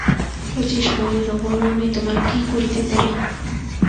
শচীশ বলিল, বলো আমি তোমার কী করিতে পারি?